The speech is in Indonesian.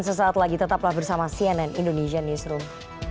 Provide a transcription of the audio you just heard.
sesaat lagi tetaplah bersama cnn indonesia newsroom